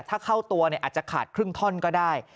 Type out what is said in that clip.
ถ้าเข้าตัวอาจจะขาดครึ่งท่อนก็ได้